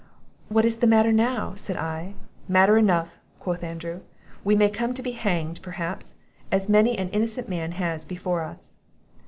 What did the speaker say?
What is the matter now?' said I. 'Matter enough!' quoth Andrew; 'we may come to be hanged, perhaps, as many an innocent man has before us.